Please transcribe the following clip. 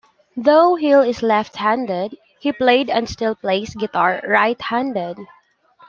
Though Hill is left-handed, he played and still plays guitar right-handed.